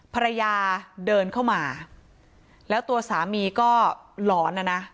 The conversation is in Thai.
ภรรยาเดินเข้ามาแล้วตัวสามีก็หลอนนะนะ